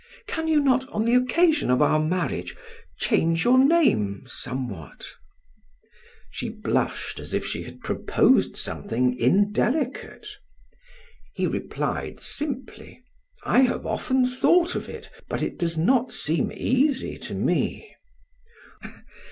Can you not on the occasion of our marriage change your name somewhat?" She blushed as if she had proposed something indelicate. He replied simply: "I have often thought of it, but it does not seem easy to me."